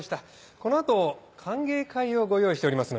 この後歓迎会をご用意しておりますので。